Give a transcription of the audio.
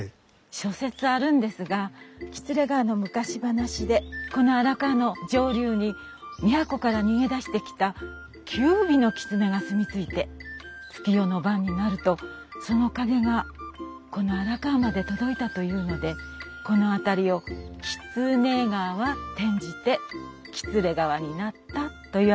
諸説あるんですが喜連川の昔話でこの荒川の上流に都から逃げ出してきた九尾のきつねが住み着いて月夜の晩になるとその影がこの荒川まで届いたというのでこの辺りをきつね川転じてきつれ川になったといわれてます。